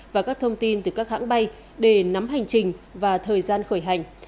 và các thông tin từ các hãng bay để nắm hành trình và thời gian khởi hành